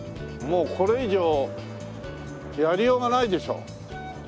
もうこれ以上やりようがないでしょう。